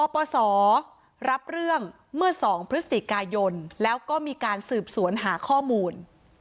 ปปศรับเรื่องเมื่อ๒พฤศจิกายนแล้วก็มีการสืบสวนหาข้อมูล